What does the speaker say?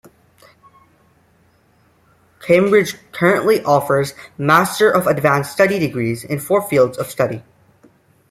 Cambridge currently offers master of advanced study degrees in four fields of study.